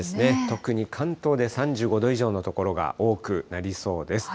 特に関東で３５度以上の所が多くなりそうです。